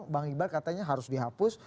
bang iqbal katanya harus dihapus